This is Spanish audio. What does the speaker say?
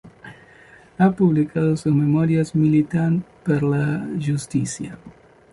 Ha publicado sus memorias "Militant per la justícia.